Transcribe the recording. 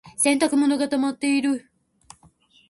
洗濯物がたまっている。